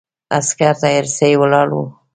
عسکر تیارسي ولاړ ول.